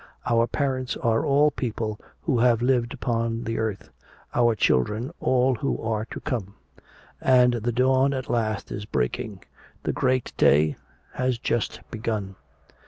Our parents are all people who have lived upon the earth our children, all who are to come. And the dawn at last is breaking. The great day has just begun."